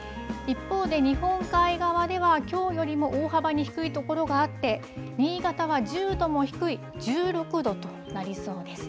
一方で、日本海側ではきょうよりも大幅に低い所があって新潟は１０度も低い１６度となりそうです。